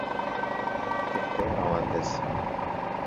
کفتەی ڕەواندز